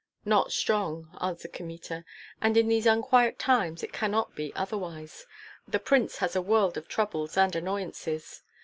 "Not strong," answered Kmita, "and in these unquiet times it cannot be otherwise. The prince has a world of troubles and annoyances."